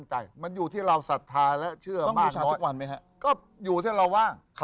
คิกคิกคิกคิกคิกคิกคิกคิกคิกคิกคิกคิก